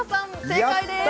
正解です